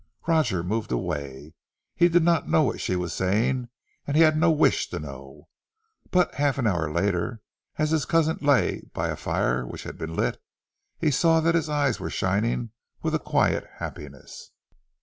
Roger moved away. He did not know what she was saying and he had no wish to know, but half an hour later as his cousin lay by a fire which had been lit, he saw that his eyes were shining with a quiet happiness.